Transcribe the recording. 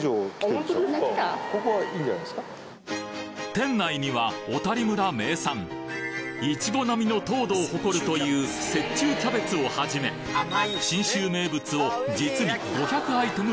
店内には小谷村名産イチゴ並みの糖度を誇るという雪中キャベツをはじめ信州名物を実に５００アイテム